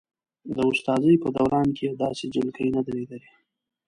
د استادۍ په دوران کې یې داسې جلکۍ نه ده لیدلې.